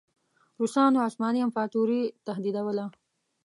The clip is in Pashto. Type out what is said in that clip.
روسانو عثماني امپراطوري تهدیدوله.